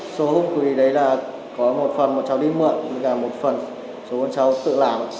số hung khí đấy là có một phần bọn cháu đi mượn và một phần số bọn cháu tự làm